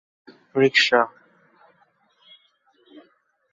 প্রধান যোগাযোগ মাধ্যম রিক্সা, ভ্যান ও নৌকা।